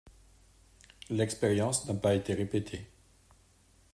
L'expérience n'a pas été répétée.